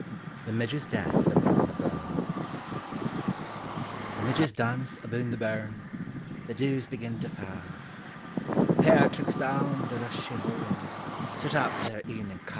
THE MIDGES DANCE ABOOM THE BURN, The midges dance aboon the burn; The dews begin to fa' ; The pairtricks down the rushy holm Set up their e'ening ca'.